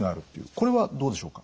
これはどうでしょうか？